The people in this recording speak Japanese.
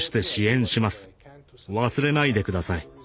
忘れないで下さい。